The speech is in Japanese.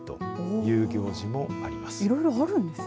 いろいろあるんですね。